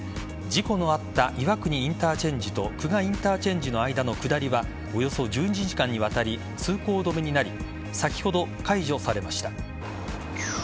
事故のあった岩国インターチェンジと玖珂インターチェンジの間の下りはおよそ１２時間にわたり通行止めになり先ほど解除されました。